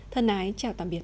thân ái chào tạm biệt